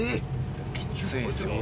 きついですよ。